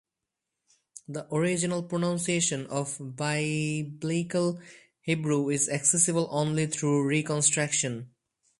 The original pronunciation of Biblical Hebrew is accessible only through reconstruction.